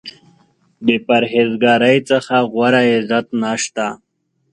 د پرهیز ګارۍ څخه غوره عزت نشته.